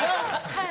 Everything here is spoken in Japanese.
はい。